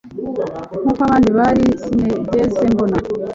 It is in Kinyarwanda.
Nkuko abandi bari Sinigeze mbona